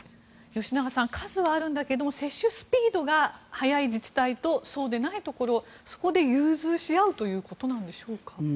吉永さん数はあるんだけども接種スピードが速い自治体とそうでないところそこで融通し合うということなんでしょうか。